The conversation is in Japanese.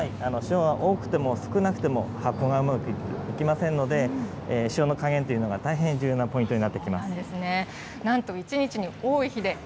その際、塩は多くても少なくても発酵がうまくいきませんので、塩の加減というのが大変重要なポイントになってきます。